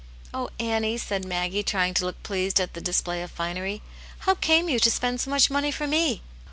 " Oh, Annie," said Maggie, trying to look pleased at the display of finery, " how came you to spend so much money for me